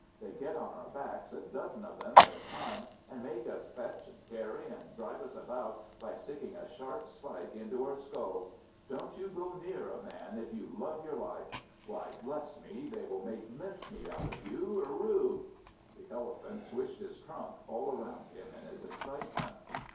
They get on our backs, a dozen of them at a time, and make us fetch, and carry, and drive us about by sticking a sharp spike into our skulls. Don't you go near a Man, if you love your life; why, bless me, they will make mincemeat of you! Hooroo!" The Elephant swished his trunk all round him in his excitement.